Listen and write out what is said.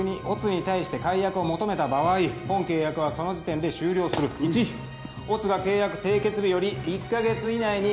「乙に対して解約を求めた場合」「本契約はその時点で終了する」と「一乙が契約締結日より一カ月以内に」